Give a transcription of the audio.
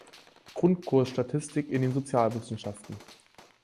Grundkurs Statistik in den Sozialwissenschaften.